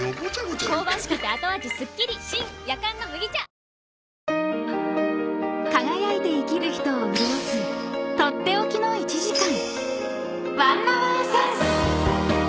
「肌男のメンズビオレ」［輝いて生きる人を潤す取って置きの１時間］